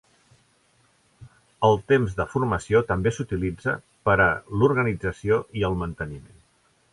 El temps de formació també s'utilitza per a l'organització i el manteniment.